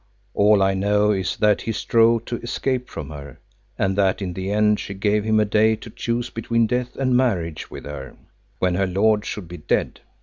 All I know is that he strove to escape from her, and that in the end she gave him a day to choose between death and marriage with her, when her lord should be dead.